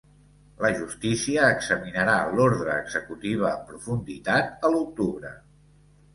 La justícia examinarà l’ordre executiva en profunditat a l’octubre.